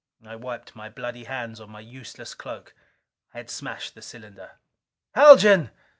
I wiped my bloody hands on my useless cloak. I had smashed the cylinder. "Haljan!"